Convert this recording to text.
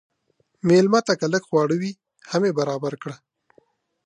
مېلمه ته که لږ خواړه وي، هم یې برابر کړه.